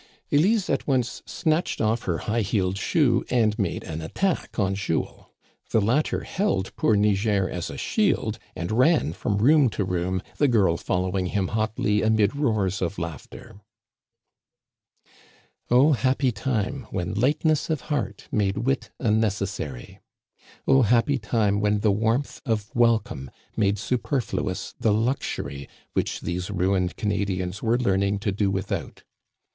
Elise at once snatched off" her high heeled shoe, and made an attack on Jules. The latter held poor Niger as a shield, and ran from room to room, the girl follow ing him hotly amid roars of laughter. Oh, happy time when lightness of heart made wit Digitized by VjOOQIC 268 THE CANADIANS OF OLD. unnecessary ! Oh, happy time when the warmth of wel come made superfluous the luxury which these ruined Canadians were learning to do without